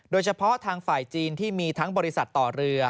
โดยเฉพาะทางฝ่ายจีนที่มีทั้งบริษัทต่อเรือ